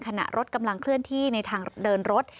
ขณะรถกำลังเคลื่อนที่ในทางเดินรถ